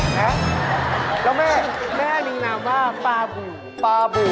แล้วแม่แม่มีนามว่าปลาบูปลาบู